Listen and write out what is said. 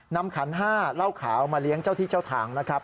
ขันห้าเหล้าขาวมาเลี้ยงเจ้าที่เจ้าทางนะครับ